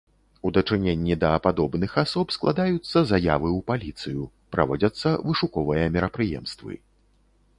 У дачыненні да падобных асоб складаюцца заявы ў паліцыю, праводзяцца вышуковыя мерапрыемствы.